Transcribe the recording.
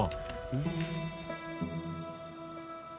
うん？